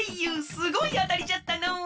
すごいあたりじゃったのう！